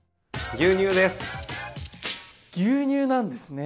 牛乳なんですね！